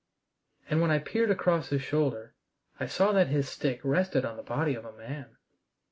And when I peered across his shoulder I saw that his stick rested on the body of a man.